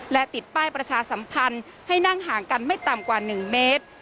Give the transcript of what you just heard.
และติดป้ายประชาสัมพันธ์ให้นั่งห่างกันไม่ต่ำกว่า๑เมตร